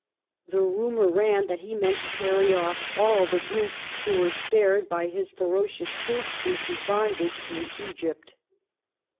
The rumour ran that he meant to carry off all the Greeks who were spared by his 60 ENGLAND AND EUROPE [1815 ferocious troops into bondage in Egypt.